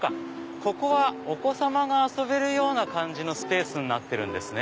ここはお子様が遊べるようなスペースになってるんですね。